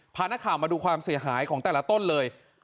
พานักข่าวมาดูความเสียหายของแต่ละต้นเลย